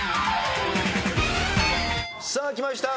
さあきました。